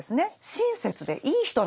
親切でいい人なんですよ。